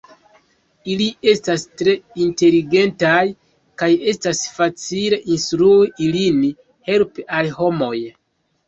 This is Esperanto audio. Ili estas tre inteligentaj, kaj estas facile instrui ilin helpi al homoj.